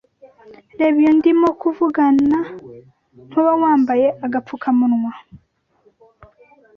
Reba iyo ndimo kuvugana ntuba wambaye agapfukamunwa!